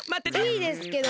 いいですけど。